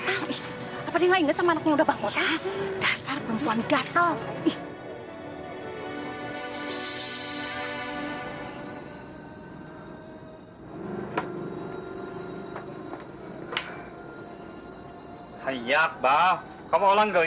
apalagi gak inget sama anaknya udah bangun